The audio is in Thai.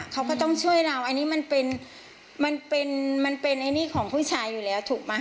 เขาก็ต้องช่วยเราอันนี้มันเป็นของผู้ชายอยู่แล้วถูกมั้ย